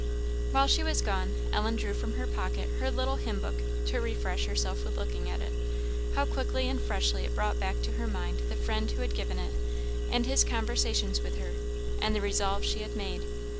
While she was gone, Ellen drew from her pocket her little hymn book, to refresh herself with looking at it. How quickly and freshly it brought back to her mind the friend who had given it, and his conversations with her, and the resolve she had made!